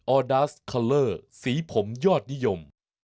อดาสคัลเลอร์สีผมยอดนิยม